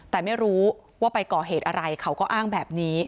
แต่ไม่รู้ว่าไปก่อเหตุอะไรเขาก็อ้างแบบนี้